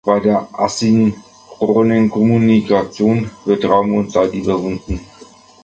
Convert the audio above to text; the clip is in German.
Bei der asynchronen Kommunikation wird Raum und Zeit überwunden.